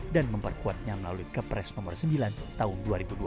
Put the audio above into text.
dan memperkuatnya melalui kepres nomor sembilan tahun dua ribu dua puluh